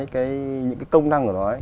cái công năng của nó ấy